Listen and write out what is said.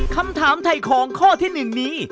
คำถามไถ่ของข้อที่๑นี้